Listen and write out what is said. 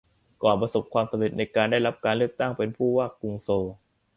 ก่อนประสบความสำเร็จในการได้รับการเลือกตั้งเป็นผู้ว่ากรุงโซล